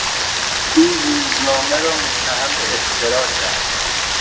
او روزنامه را متهم به افترا کرد.